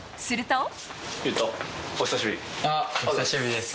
すると。